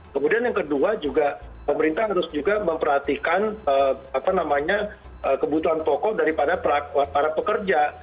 kemudian yang kedua juga pemerintah harus juga memperhatikan kebutuhan pokok daripada para pekerja